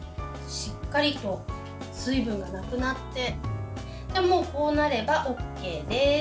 しっかりと水分がなくなってこうなればＯＫです。